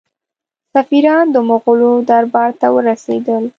سفیران د مغولو دربار ته ورسېدل.